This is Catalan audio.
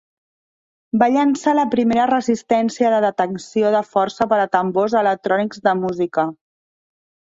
Va llançar la primera resistència de detecció de força per a tambors electrònics de música.